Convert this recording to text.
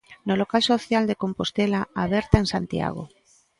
No local social de Compostela Aberta en Santiago.